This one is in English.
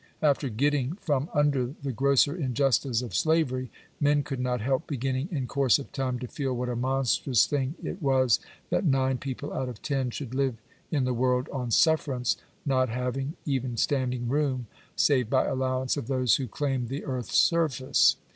After getting from under the grosser injustice of slavery, men could not help beginning in course of time to feel what a monstrous thing it was that nine people out of ten should live in the world on sufferance, not having even standing room, save by allowance of those who claimed the Earths surface (p.